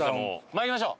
まいりましょう！